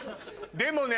でもね。